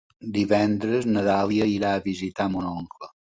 Divendres na Dàlia irà a visitar mon oncle.